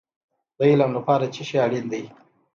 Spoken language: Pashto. د علم لپاره څه شی اړین دی؟